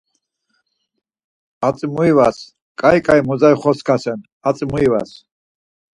Hatzi mu ivas, ǩai ǩai mozari xrotskasen, hatzi mu ivas!